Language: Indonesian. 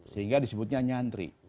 sehingga disebutnya nyantri